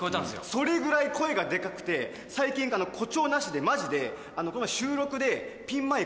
それぐらい声がでかくて最近誇張なしでマジでこの前収録でピンマイク